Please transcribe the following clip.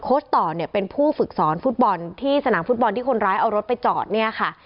ต่อเนี่ยเป็นผู้ฝึกสอนฟุตบอลที่สนามฟุตบอลที่คนร้ายเอารถไปจอดเนี่ยค่ะ